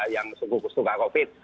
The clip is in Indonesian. yang sungguh sungguh covid